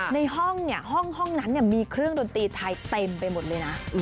ในห้องนั้นมีเครื่องดนตรีไทยเต็มไปหมดเลยนะ